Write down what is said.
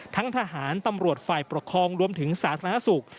ทั้งทหารตำรวจฝ่ายประคองรวมถึงศาสนธนศุกร์